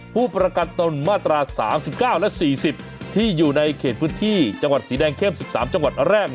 ผู้ประกันตนมาตรา๓๙และ๔๐ที่อยู่ในเขตพื้นที่จังหวัดสีแดงเข้ม๑๓จังหวัดแรก